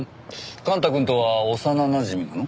幹太くんとは幼なじみなの？